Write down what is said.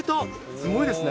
すごいですね。